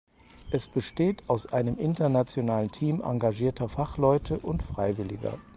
Es besteht aus einem internationalen Team engagierter Fachleute und Freiwilliger.